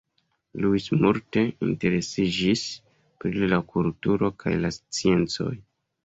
Louis multe interesiĝis pri la kulturo kaj la sciencoj.